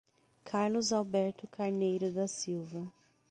Carlos Alberto Carneiro da Silva